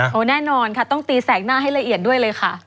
แน่นอนค่ะต้องตีแสกหน้าให้ละเอียดด้วยเลยค่ะ